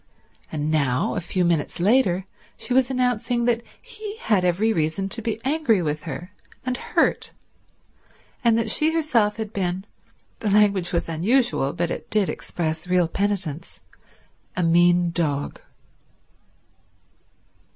And now, a few minutes later, she was announcing that he had every reason to be angry with her and hurt, and that she herself had been—the language was unusual, but it did express real penitence—a mean dog.